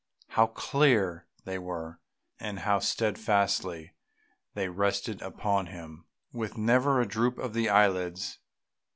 How clear they were, and how steadfastly they rested upon him with never a droop of the eyelids.